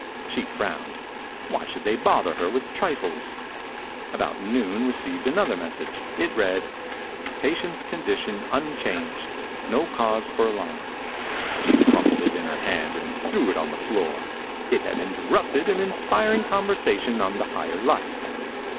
She frowned. Why should they bother her with trifles. About noon she received an other message. It read : "Pa tient's condition unchanged. No cause for alarm." She crumpled it in her hand and threw it on the floor. It had interrupted an inspiring conversation on the Higher Life.